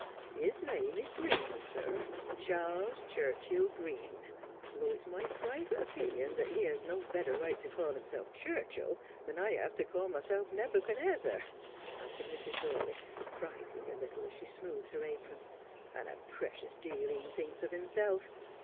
' His name is Green, sir, Charles Churchill Green ; though it's my private opinion that he has no better right to call himself Churchill than I have to call myself Nebuchadnezzar,' answered 120 Just as I Am. Mrs. Dawley, bridling a little as she smoothed her apron, ' and a precious deal he thinks of himself.